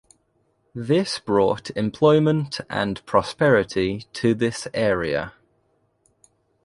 This brought employment and prosperity to this area.